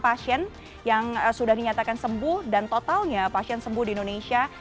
pasien yang sudah dinyatakan sembuh dan totalnya pasien sembuh di indonesia